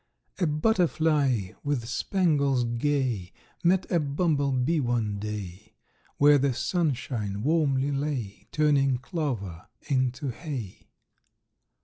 A butterfly with spangles gay, Met a bumble bee, one day, Where the sunshine warmly lay Turning clover into hay.